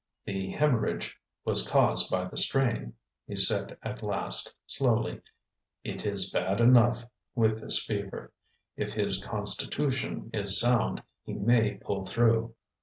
"The hemorrhage was caused by the strain," he said at last, slowly. "It is bad enough, with this fever. If his constitution is sound, he may pull through."